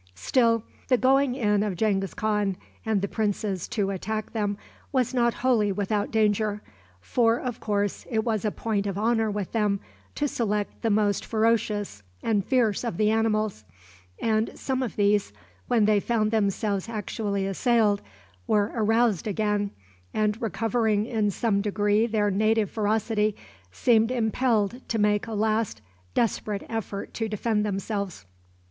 Still, the going in of Genghis Khan and the princes to attack them was not wholly without danger; for, of course, it was a point of honor with them to select the most ferocious and fierce of the animals, and some of these, when they found themselves actually assailed, were aroused again, and, recovering in some degree their native ferocity, seemed impelled to make a last desperate effort to defend themselves.